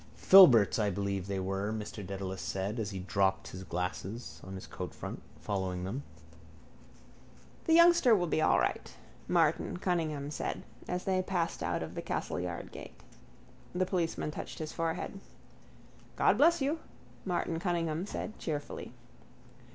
—Filberts I believe they were, Mr Dedalus said, as he dropped his glasses on his coatfront, following them. —The youngster will be all right, Martin Cunningham said, as they passed out of the Castleyard gate. The policeman touched his forehead. —God bless you, Martin Cunningham said, cheerily.